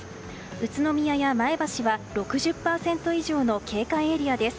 宇都宮や前橋は６０％以上の警戒エリアです。